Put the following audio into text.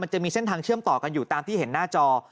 จะมีเส้นทางเชื่อมต่อกันอยู่ตามที่เห็นหน้าจอ